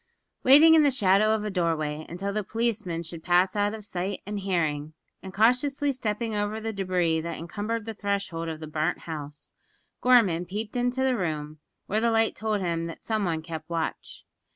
Waiting in the shadow of a doorway until the policeman should pass out of sight and hearing, and cautiously stepping over the debris that encumbered the threshold of the burnt house, Gorman peeped into the room, where the light told him that some one kept watch.